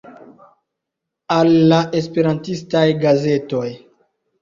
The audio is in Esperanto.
Al la Esperantistaj Gazetoj.